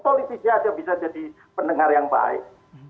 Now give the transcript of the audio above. politisi aja bisa jadi pendengar yang baik